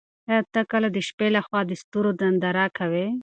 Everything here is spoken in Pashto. ایا ته کله د شپې له خوا د ستورو ننداره کوې؟